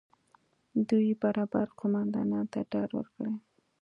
دوی بربر قومندانانو ته ډاډ ورکړي